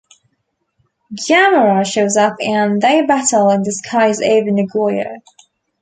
Gamera shows up and they battle in the skies over Nagoya.